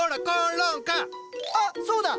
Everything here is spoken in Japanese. あっそうだ！